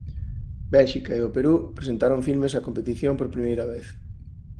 Bélxica e o Perú presentaron filmes a competición por vez primeira.